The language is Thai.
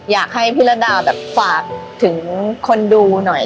อยากให้พี่ระดาแบบฝากถึงคนดูหน่อย